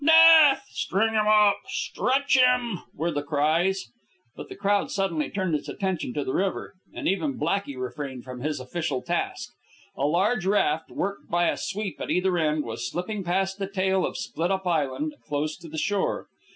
"Death!" "String him up!" "Stretch 'm!" were the cries. But the crowd suddenly turned its attention to the river, and even Blackey refrained from his official task. A large raft, worked by a sweep at either end, was slipping past the tail of Split up Island, close to the shore.